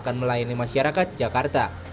kedua di jakarta